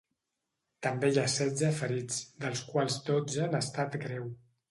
També hi ha setze ferits, dels quals dotze en estat greu.